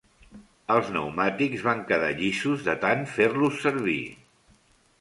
Els pneumàtics van quedar llisos de tant fer-los servir.